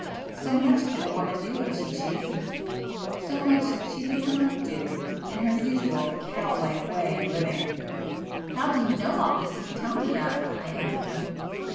So much can a woman do if she chooses,—so much does she not do, in her usual cow like way of living!" "How do you know all this you tell me of?" I asked him.